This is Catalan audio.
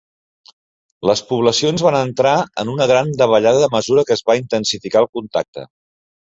Les poblacions van entrar en una gran davallada a mesura que es va intensificar el contacte.